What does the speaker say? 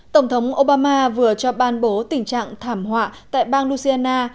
tổng thống obama vừa cho ban bố tình trạng thảm họa tại bang nuciana